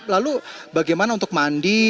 lalu bagaimana untuk mandi